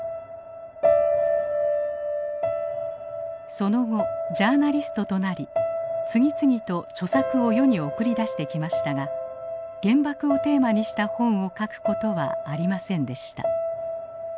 その後ジャーナリストとなり次々と著作を世に送り出してきましたが原爆をテーマにした本を書く事はありませんでした。